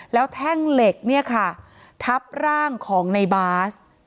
แล้วแท่งเหล็กเนี่ยค่ะทับร่างของในบาส